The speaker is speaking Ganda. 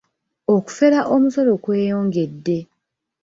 Okufera omusolo kweyongedde.